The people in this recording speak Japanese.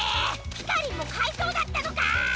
ピカリンもかいとうだったのかー！